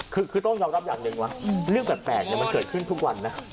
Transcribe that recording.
คือต้องยอมรับอย่างหนึ่งว่าเรื่องแปลกมันเกิดขึ้นทุกวันนะ